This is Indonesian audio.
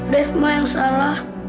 devma yang salah